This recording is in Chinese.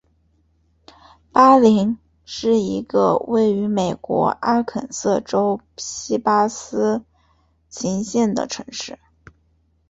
巴林是一个位于美国阿肯色州锡巴斯琴县的城市。